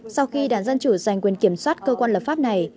sau khi đảng dân chủ giành quyền kiểm soát cơ quan lập pháp này